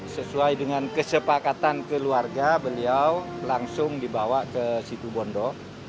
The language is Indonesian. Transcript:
sesuai dengan kesepakatan keluarga beliau langsung dibawa ke situbondo